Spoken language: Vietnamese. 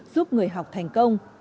giúp người học thành công